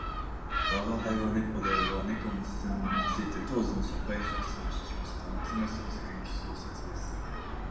「吾輩は猫である」は猫の視線を用いて当時の社会情勢を批評した夏目漱石の小説です。